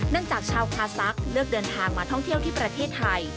จากชาวคาซักเลือกเดินทางมาท่องเที่ยวที่ประเทศไทย